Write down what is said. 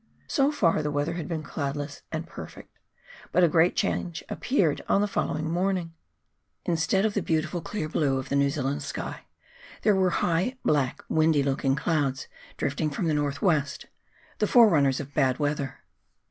So far the weather had been cloudless and perfect, but a great change appeared on the following morning ; instead of the beautiful clear blue of the New Zealand sky, there were high, black, windy looking clouds drifting from the north west, the forerunners of bad weather.